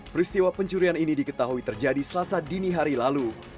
peristiwa pencurian ini diketahui terjadi selasa dini hari lalu